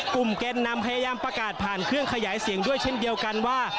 แกนนำพยายามประกาศผ่านเครื่องขยายเสียงด้วยเช่นเดียวกันว่า